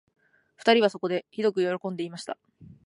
二人はそこで、ひどくよろこんで言いました